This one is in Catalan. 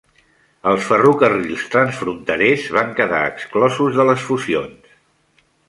Els ferrocarrils transfronterers van quedar exclosos de les fusions.